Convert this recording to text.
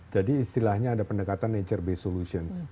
jadi istilahnya ada pendekatan nature based solution